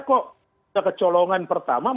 kok kecolongan pertama maksud